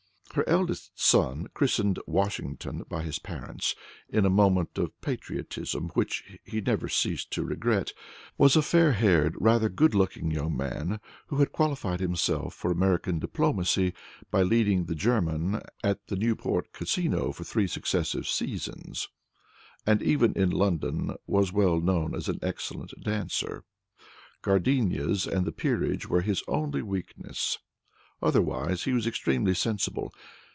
Her eldest son, christened Washington by his parents in a moment of patriotism, which he never ceased to regret, was a fair haired, rather good looking young man, who had qualified himself for American diplomacy by leading the German at the Newport Casino for three successive seasons, and even in London was well known as an excellent dancer. Gardenias and the peerage were his only weaknesses. Otherwise he was extremely sensible.